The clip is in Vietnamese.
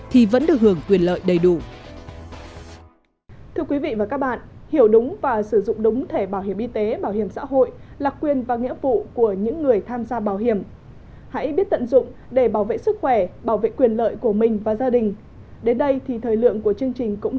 thì vẫn được hưởng quyền lợi đầy đủ